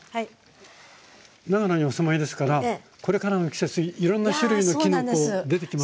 長野にお住まいですからこれからの季節いろんな種類のきのこ出てきますね。